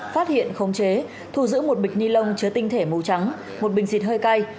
phát hiện khống chế thu giữ một bịch ni lông chứa tinh thể màu trắng một bình xịt hơi cay